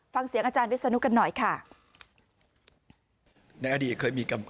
ฟังเสียงอาจารย์วิศนุกันหน่อยค่ะ